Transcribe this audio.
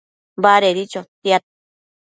Badedi chotiad